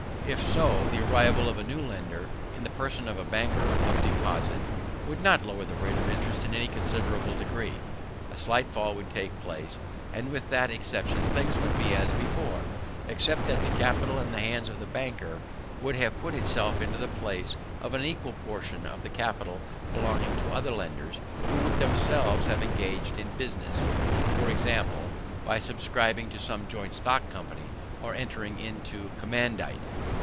If so, the arrival of a new lender, in the person of a banker of deposit, would not lower the rate of interest in any considerable degree. A slight fall would take place, and with that exception things would be as before, except that the capital in the hands of the banker would have put itself into the place of an equal portion of capital belonging to other lenders, who would themselves have engaged in business (e.g., by subscribing to some joint stock company, or entering into commandite).